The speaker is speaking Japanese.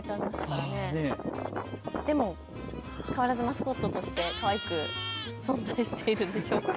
でも変わらずマスコットとしてかわいく存在しているんでしょうか。